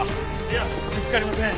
いや見つかりません。